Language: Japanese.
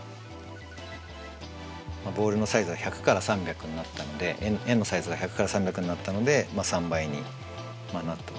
ボールのサイズが１００から３００になったので円のサイズが１００から３００になったので３倍になったと。